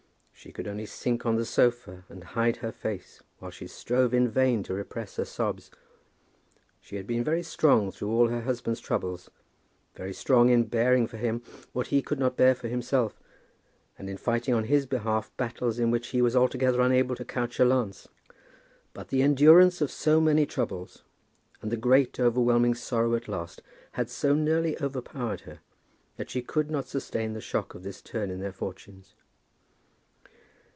She could only sink on the sofa, and hide her face, while she strove in vain to repress her sobs. She had been very strong through all her husband's troubles, very strong in bearing for him what he could not bear for himself, and in fighting on his behalf battles in which he was altogether unable to couch a lance; but the endurance of so many troubles, and the great overwhelming sorrow at last, had so nearly overpowered her, that she could not sustain the shock of this turn in their fortunes.